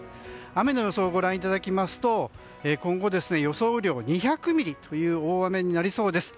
雨の予想をご覧いただきますと今後、予想雨量２００ミリという大雨になりそうです。